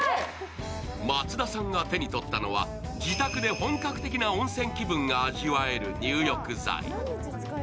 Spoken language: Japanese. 松田さんが手に取ったのは自宅で本格的な温泉気分が味わえる入浴剤。